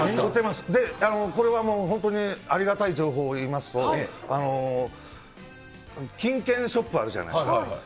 これはもう本当に、ありがたい情報を言いますと、金券ショップあるじゃないですか。